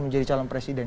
menjadi calon presiden